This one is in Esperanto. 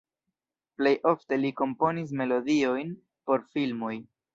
Plej ofte li komponis melodiojn por filmoj.